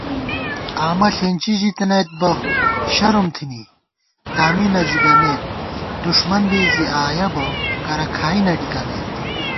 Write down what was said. آمہ ݪېنچی ژِتَنَئیت بہ شرم تھِنی دامی نہ زِگَمېت * دُݭمن بی زی آیَہ بہ کرہ کھائی نہ ڈِکَمېت